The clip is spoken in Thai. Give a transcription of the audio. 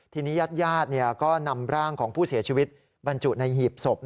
ทีนี้ญาติญาติก็นำร่างของผู้เสียชีวิตบรรจุในหีบศพ